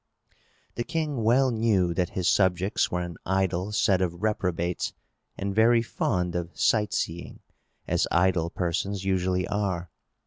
The king well knew that his subjects were an idle set of reprobates, and very fond of sightseeing, as idle persons usually are.